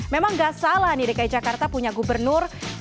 memang nggak salah nih dki jakarta punya gubernur